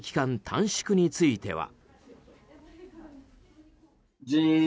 短縮については。